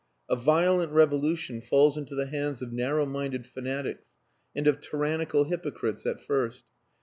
A violent revolution falls into the hands of narrow minded fanatics and of tyrannical hypocrites at first.